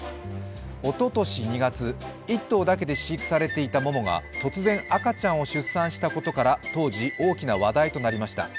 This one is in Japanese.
おととし２月、１頭だけで飼育されていたモモが突然赤ちゃんを出産したことから当時、大きな話題となりました。